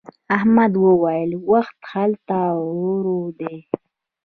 احمد وويل: وخت هلته ورو دی.